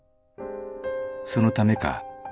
「そのためか夢で